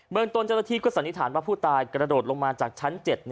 เบิร์นต้นจรฐีได้สันนิษฐานว่าผู้ตายกระโดดลงมาจากชั้น๗